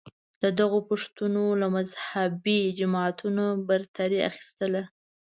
دغو پوښتنو له مذهبې جماعتونو برتري اخیستله